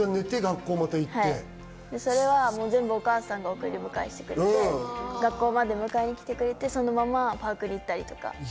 それは全部お母さんが送り迎えしてくれて学校まで迎えに来てくれてそのままパークに行ったりとか。